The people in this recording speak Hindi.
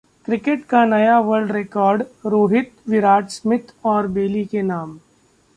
क्रिकेट का नया world record Rohit, Virat, Smith और बेली के नाम